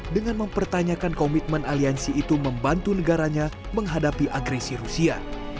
dengan mempertanyakan komitmen aliansi itu membantu negaranya menghadapi agresi rusia